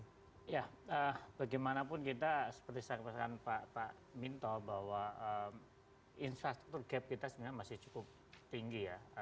ya bagaimanapun kita seperti saya katakan pak minto bahwa infrastruktur gap kita sebenarnya masih cukup tinggi ya